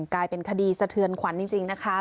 กลายเป็นคดีสะเทือนขวัญจริงนะคะ